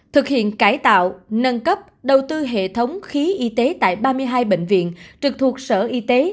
thực hiện cải tạo nâng cấp đầu tư hệ thống khí y tế tại ba mươi hai bệnh viện trực thuộc sở y tế